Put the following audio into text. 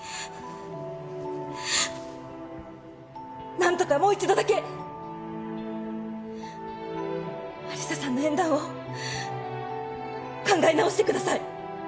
何とかもう一度だけ有沙さんの縁談を考え直してください。